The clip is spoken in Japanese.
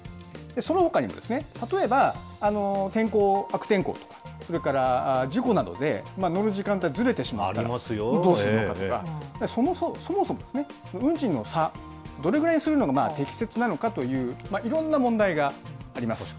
そのほかにも例えば天候、悪天候とか、それから事故などで、乗る時間帯ずれてしまったら、どうするのかとか、そもそもですね、運賃の差、どれぐらいにするのが適切なのかといういろんな問題があります。